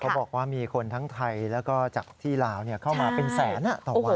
บอกว่ามีคนทั้งไทยแล้วก็จากที่ลาวเข้ามาเป็นแสนต่อวัน